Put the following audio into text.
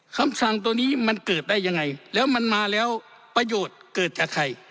คำสั่งตัวนี้มันเกิดได้ยังไงแล้วมันมาแล้วประโยชน์เกิดจากใคร